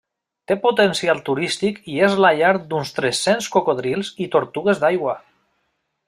Té potencial turístic i és la llar d'uns tres-cents cocodrils i tortugues d'aigua.